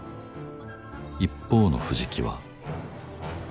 一方の藤木は。